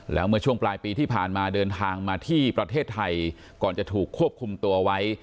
แล้วเมื่อช่วงปลายปีที่ผ่านมาเดินทางมาที่ประเทศไทยก่อนจะถูกควบคุมตัวไว้